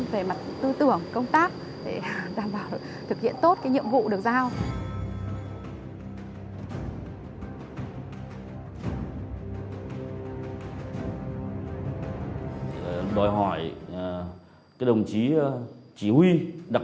về mặt tư tưởng công tác để đảm vào thực hiện tốt các nhiệm vụ được giao rồi hỏi cái đồng chí chỉ huy đặc